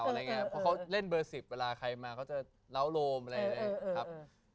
เพราะเขาเล่นเบอร์๑๐เวลาใครมาเขาจะเล้าโรมอะไรเลยครับ